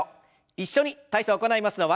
一緒に体操行いますのは。